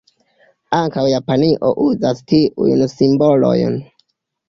Ankaŭ Japanio uzas tiujn simbolojn.